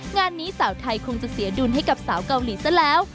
งานนี้สาวไทยคงจะเสียดุลให้กับสาวเกาหลีซะแล้ว